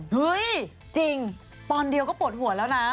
เฮ้ยจริงปอนเดียวก็ปวดหัวแล้วนะ